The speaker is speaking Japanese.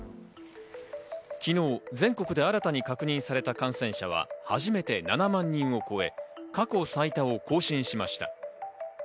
昨日、全国で新たに確認された感染者は初めて７万人を超え、過去最多を更新しました。